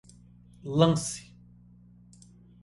lance